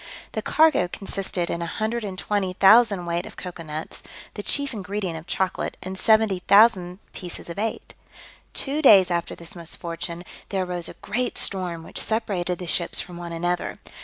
The cargo consisted in 120,000 weight of cocoa nuts, the chief ingredient of chocolate, and 70,000 pieces of eight. Two days after this misfortune, there arose a great storm, which separated the ships from one another.